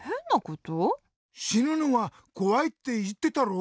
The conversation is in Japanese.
「しぬのはこわい」っていってたろ？